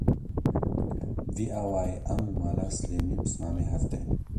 bi vî awayî em û mala Silêmîn pismamê hev tên